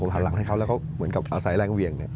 ผมทำหลังให้เขาแล้วเขาเหมือนกับเอาใส่แรงเวียงเนี่ย